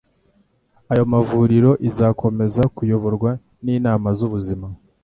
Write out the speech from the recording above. Ayo mavuriro izakomeza kuyoborwa n’inama z’ubuzima.